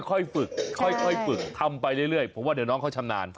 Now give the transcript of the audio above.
ค่อยฝึกถึงก็ทำไปเรื่อยคำว่าเดี๋ยวน้องเขาชำนาญ